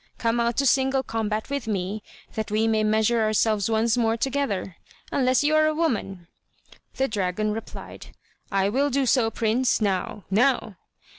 come out to single combat with me, that we may measure ourselves once more together, unless you are a woman!" The dragon replied: "I will do so, prince, now, now!"